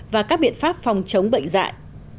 và các biện pháp phòng chống bệnh dại